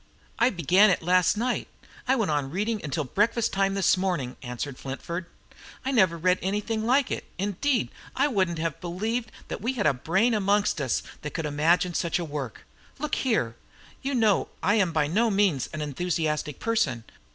I began it last night. I went on reading it until breakfast time this morning," answered Flintford. "I never read anything quite like it. Indeed, I wouldn't have believed that we had a brain amongst us that could have imagined such a work. Look here! You know I am by no means an enthusiastic person.